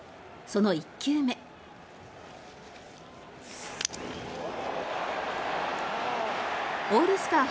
その１球目オールスター